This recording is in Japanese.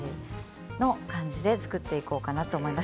そんな感じで作っていこうと思います。